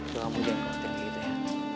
jangan berhenti ngerti gitu ya